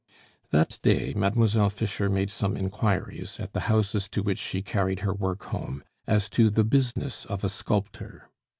That day, Mademoiselle Fischer made some inquiries, at the houses to which she carried her work home, as to the business of a sculptor.